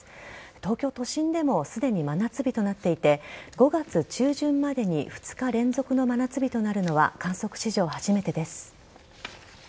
東京都心でもすでに真夏日となっていて５月中旬までに２日連続の真夏日となるのは観測史上初めてです。